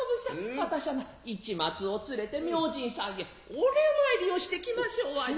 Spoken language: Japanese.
私しゃな市松を連れて明神さんへお礼参りをして来ましょうわいなァ。